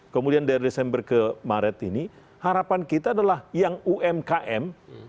kemudian dari desember ke maret ini harapan kita adalah yang umkm